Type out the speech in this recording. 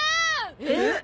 えっ！？